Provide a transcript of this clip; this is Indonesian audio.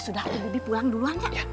sudah aku pulang duluan ya